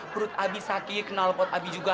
perut abi sakit nalpot abi juga